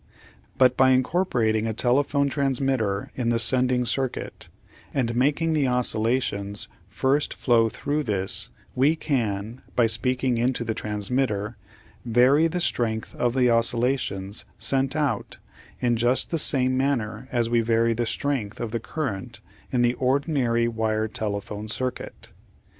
But by incorporating a telephone transmitter in the sending circuit and making the oscillations first flow through this we can, by speaking into the transmitter, vary the strength of the oscillations sent out in just the same manner as we vary the strength of the current in the ordinary wire telephone circuit.